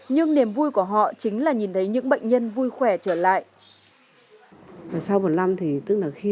nhưng niềm vui của họ chính là nhìn thấy những bệnh nhân vui khỏe trở lại